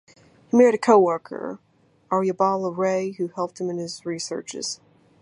He married a coworker, Aryabala Ray, who helped him in his researches.